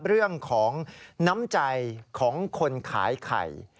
เรื่องของน้ำใจของคนขายไข่